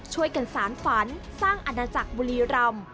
ช่วยกันสารฝันสร้างอาณาจักรบุรีรำ